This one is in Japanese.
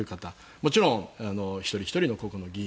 もちろん一人ひとりの個々の議員